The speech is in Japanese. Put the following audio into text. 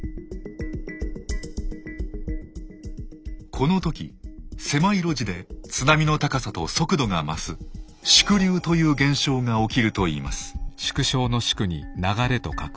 この時狭い路地で津波の高さと速度が増す縮流という現象が起きるといいます。